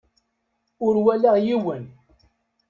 Ur walaɣ yiwen.